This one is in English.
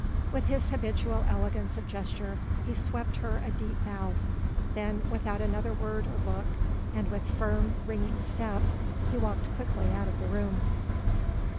With his habitual elegance of gesture he swept her a deep bow, then without another word or look, and with firm, ringing steps he walked quickly out of the room.